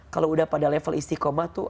kalau udah pada level istiqomah tuh